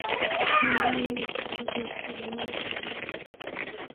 আপনি আমার ব্যাপারে পুলিশকে বলেননি কেন?